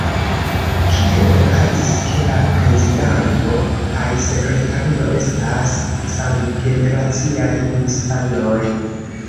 Kiel okazis, ke la prezidanto kaj sekretario estas samgeneraciaj hispanoj?